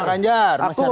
pak ganjar masyarakat